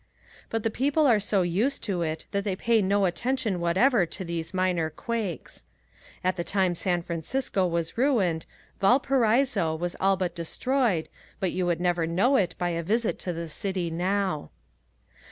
But the people are so used to it that they pay no attention whatever to these minor quakes. At the time San Francisco was ruined, Valparaiso was all but destroyed but you would never know it by a visit to the city now.